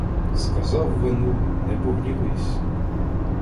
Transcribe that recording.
Сказав Венул, — не погнівись!